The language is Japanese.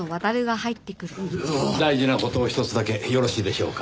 大事な事をひとつだけよろしいでしょうか？